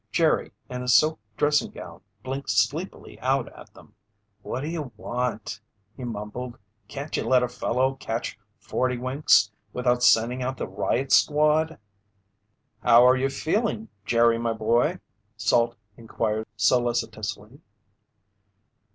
Jerry, in silk dressing gown, blinked sleepily out at them. "What do you want?" he mumbled. "Can't you let a fellow catch forty winks without sending out the riot squad?" "How are you feeling, Jerry, my boy?" Salt inquired solicitously.